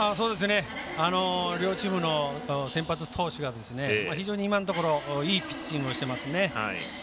両チームの先発投手が非常に、今のところいいピッチングをしていますね。